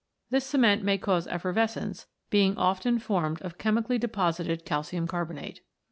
This cement may cause effervescence, being often formed of chemically deposited calcium carbonate.